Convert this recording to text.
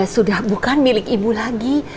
sudah bukan milik ibu lagi